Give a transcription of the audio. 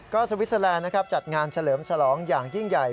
ก็สวิสเซอแลนด์จัดงานเฉลิมฉลองอย่างยิ่งใหญ่